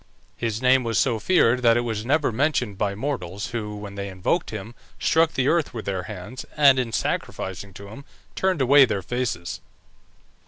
His name was so feared that it was never mentioned by mortals, who, when they invoked him, struck the earth with their hands, and in sacrificing to him turned away their faces.